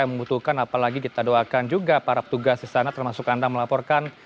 yang membutuhkan apalagi kita doakan juga para petugas di sana termasuk anda melaporkan